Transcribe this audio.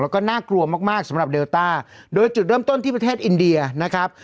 แล้วก็น่ากลัวมากมากสำหรับเดลต้าโดยจุดเริ่มต้นที่ประเทศอินเดียนะครับ